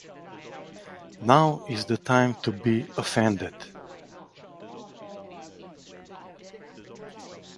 Now is the time to be offended